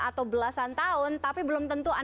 atau belasan tahun tapi belum tentu